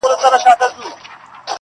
ددې ښايستې نړۍ بدرنگه خلگ